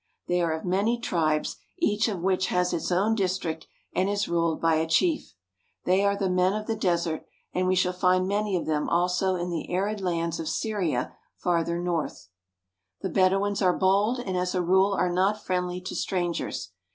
They are of many tribes, each of which has its own district and is ruled by a chief. They are the men of the desert, and we shall find many of them also in the arid lands of Syria farther north. The Bedouins are bold, and as a rule are not friendly to strangers.